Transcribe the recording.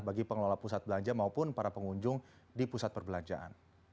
bagi pengelola pusat belanja maupun para pengunjung di pusat perbelanjaan